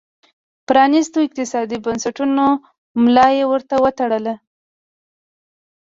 د پرانیستو اقتصادي بنسټونو ملا یې ور وتړله.